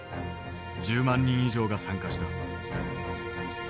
１０万人以上が参加した。